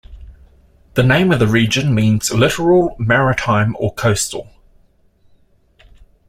The name of the region means Littoral, Maritime or Coastal.